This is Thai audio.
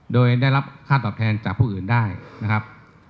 โดยได้รับค่าตอบแทนจากผู้อื่นได้นะครับ